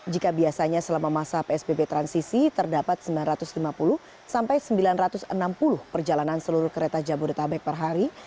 jika biasanya selama masa psbb transisi terdapat sembilan ratus lima puluh sampai sembilan ratus enam puluh perjalanan seluruh kereta jabodetabek per hari